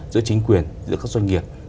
giữa chính quyền giữa các doanh nghiệp